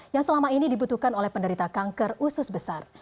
yang selama ini dibutuhkan oleh penderita kanker usus besar